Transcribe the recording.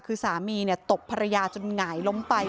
คือสามีตบภรรยาจนหงายล้มไป